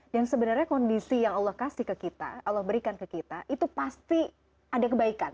dan sebenarnya kondisi yang allah kasih ke kita allah berikan ke kita itu pasti ada kebaikan